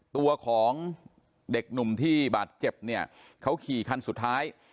ตัวของเด็กหนุ่มที่บาดเจ็บเนี่ยเขาขี่คันสุดท้าย